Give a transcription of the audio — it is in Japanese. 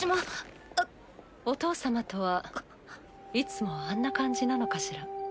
お父様とはいつもあんな感じなのかしら？